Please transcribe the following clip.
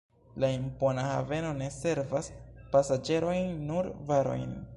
La impona haveno ne servas pasaĝerojn, nur varojn.